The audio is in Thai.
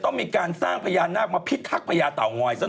ต้องมีการสร้างพญานาคมาพิทักษ์พญาเต่างอยซะ